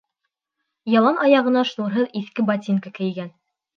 Ялан аяғына шнурһыҙ иҫке ботинка кейгән.